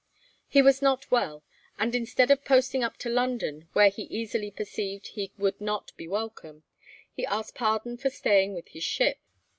He was not well, and instead of posting up to London, where he easily perceived he would not be welcome, he asked pardon for staying with his ship.